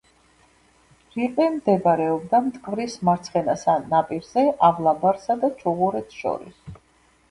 რიყე მდებარეობდა მტკვრის მარცხენა ნაპირზე, ავლაბარსა და ჩუღურეთს შორის.